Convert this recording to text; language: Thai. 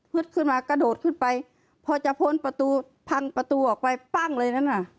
ขึ้นมากระโดดขึ้นไปพอจะพ้นประตูพังประตูออกไปปั้งเลยนั่นน่ะ